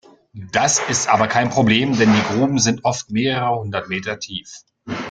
Das ist aber kein Problem, denn die Gruben sind oft mehrere hundert Meter tief.